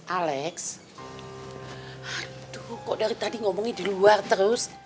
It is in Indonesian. alex aduh kok dari tadi ngomongin di luar terus